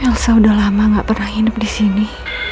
elsa udah lama gak pernah hidup disini